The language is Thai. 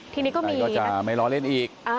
ทีนี้ก็มีก็จะไม่ล้อเล่นอีก